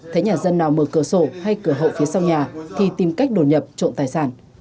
thấy nhà dân nào mở cửa sổ hay cửa hậu phía sau nhà thì tìm cách đổ nhập trộm tài sản